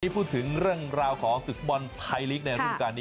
พูดถึงเรื่องราวของศึกฟุตบอลไทยลีกในรุ่นการนี้